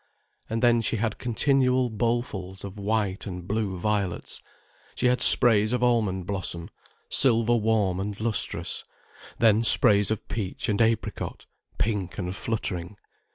And then she had continual bowl fuls of white and blue violets, she had sprays of almond blossom, silver warm and lustrous, then sprays of peach and apricot, pink and fluttering.